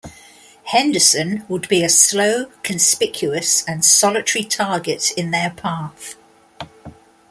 "Henderson" would be a slow, conspicuous, and solitary target in their path.